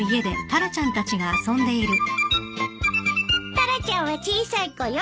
タラちゃんは小さい子よ。